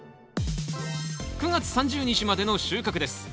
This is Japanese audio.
９月３０日までの収穫です。